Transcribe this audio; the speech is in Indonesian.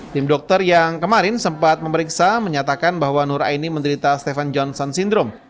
tim dokter yang kemarin sempat memeriksa menyatakan bahwa nur aini menderita stephen johnson syndrome